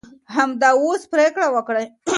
همدا اوس پرېکړه وکړئ.